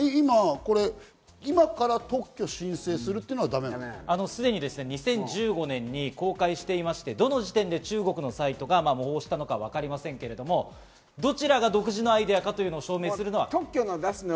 今から特許申請するというのすでに２０１５年に公開していまして、どの時点で中国のサイトが模倣したのかわかりませんが、どちらが独自のアイデアかというのを証明するのは。